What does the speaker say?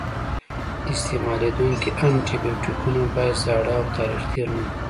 استعمالیدونکي انټي بیوټیکونه باید زاړه او تاریخ تېر نه وي.